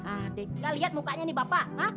adek gak liat mukanya nih bapak